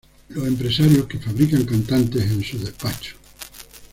los empresarios que fabrican cantantes en sus despachos